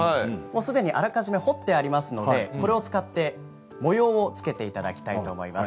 すでにあらかじめ彫ってありますので、これを使って模様をつけていただきたいと思います。